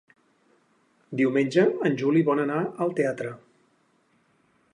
Diumenge en Juli vol anar al teatre.